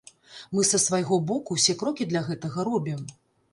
Мы са свайго боку усе крокі для гэтага робім.